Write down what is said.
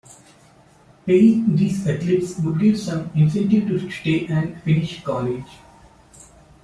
Paying these athletes would give some incentive to stay and finish college.